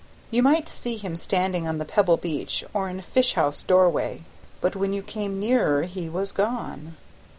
You might see him standing on the pebble beach or in a fish house doorway, but when you came nearer he was gone.